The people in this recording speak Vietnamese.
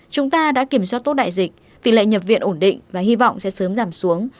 chúng ta đã kiểm soát tốt đại dịch tỷ lệ nhập viện ổn định và hy vọng sẽ sớm giảm xuống